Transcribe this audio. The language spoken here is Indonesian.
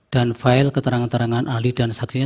dan file keterangan terangan ahli dan saksinya